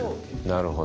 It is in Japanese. なるほど。